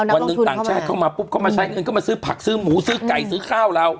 วันหนึ่งต่างชาติเข้ามาปุ๊บเขามาใช้เงินเข้ามาซื้อผักซื้อหมูซื้อไก่ซื้อข้าวเรา